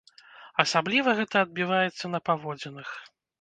Асабліва гэта адбіваецца на паводзінах!